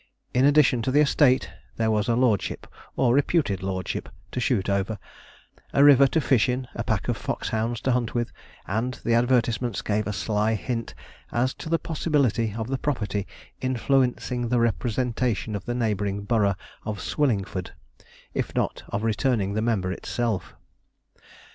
In addition to the estate there was a lordship or reputed lordship to shoot over, a river to fish in, a pack of fox hounds to hunt with, and the advertisements gave a sly hint as to the possibility of the property influencing the representation of the neighbouring borough of Swillingford, if not of returning the member itself.